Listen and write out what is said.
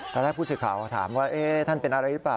ตอนแรกผู้สื่อข่าวถามว่าท่านเป็นอะไรหรือเปล่า